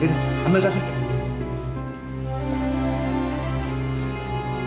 dari ambil kasih